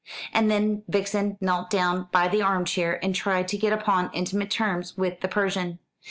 And then Vixen knelt down by the arm chair and tried to get upon intimate terms with the Persian.